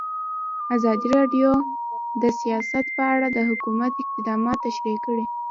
ازادي راډیو د سیاست په اړه د حکومت اقدامات تشریح کړي.